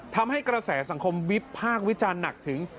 ทำให้กระแสสังคมวิพากษ์วิจารณ์หนักถึง